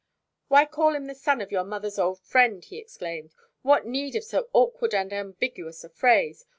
"Why call him the son of your mother's old friend?" he exclaimed. "What need of so awkward and ambiguous a phrase?